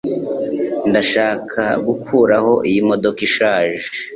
Ndashaka gukuraho iyi modoka ishaje